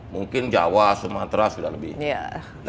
mungkin jawa sumatera sudah lebih oke lah